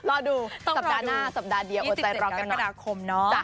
เอออ่ะรอดูสัปดาห์หน้าสัปดาห์เดียวโอ๊ยใจร้องกันหน่อย